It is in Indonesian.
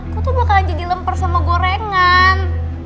aku tuh bakalan jadi lemper sama gorengan